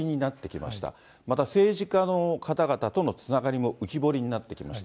また政治家の方々とのつながりも浮き彫りになってきました。